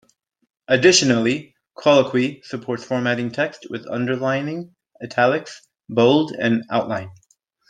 Additionally, Colloquy supports formatting text with underlining, italics, bold, and outline.